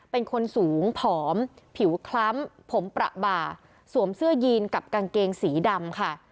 เป็นคนสูงผอมผิวคล้ำผมประบาสวมเสื้อยีนกับกางเกงสีดำค่ะ